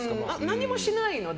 何もしないので。